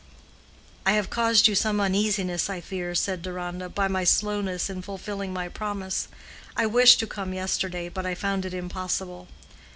"I have caused you some uneasiness, I fear," said Deronda, "by my slowness in fulfilling my promise. I wished to come yesterday, but I found it impossible."